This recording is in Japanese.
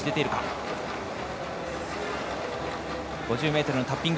５０ｍのタッピング。